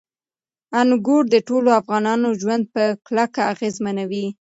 انګور د ټولو افغانانو ژوند په کلکه اغېزمنوي.